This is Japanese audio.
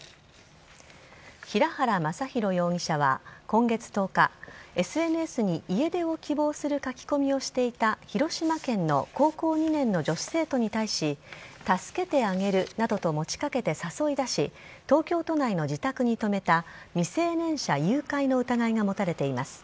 平原匡浩容疑者は今月１０日ＳＮＳに家出を希望する書き込みをしていた広島県の高校２年の女子生徒に対し助けてあげるなどと持ちかけて誘い出し東京都内の自宅に泊めた未成年者誘拐の疑いが持たれています。